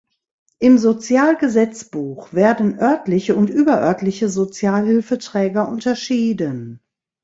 Im Sozialgesetzbuch werden örtliche und überörtliche Sozialhilfeträger unterschieden.